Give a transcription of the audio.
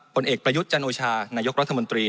ผลเอกประยุทธ์จันโอชานายกรัฐมนตรี